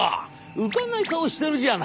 浮かない顔してるじゃないか。